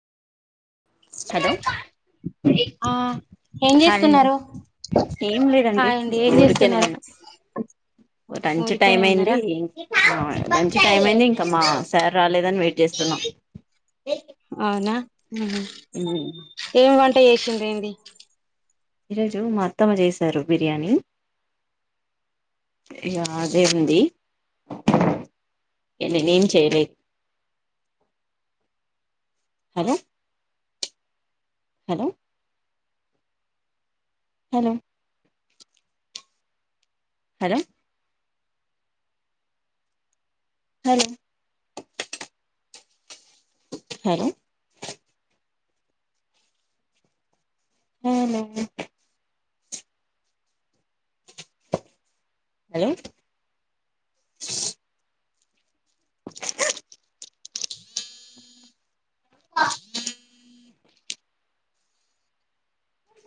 hello ఆ ఏం చేస్తున్నారు ఏం లేదండి హాయ్ అండి ఏం ఊరుకనే చేస్తున్నారు ఉన్నా రంచ్ టైం ఊరికేనే అయింది ఉన్నారా ఆ లంచ్ టైం అయింది ఇంకా మా సార్ రాలేదని వెయిట్ చేస్తున్నా అవునా ఆహా ఉమ్మ్ ఏం వంట చేసింది ఏంది ఈరోజు మా అత్తమ్మ చేశారు బిర్యానీ ఇగ అదే ఉంది ఇగ నేను ఏం చేయలే hello hello hello hello hello hello hello hello హ